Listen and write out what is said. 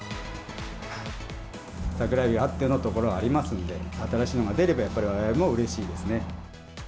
サクラエビあってのところがありますので、新しいのが出れば、やっぱりわれわれもうれしいです